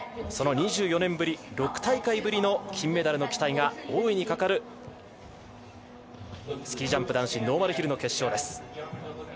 ２４年ぶり６大会ぶりの金メダルの期待が大いにかかるスキージャンプ男子ノーマルヒル決勝。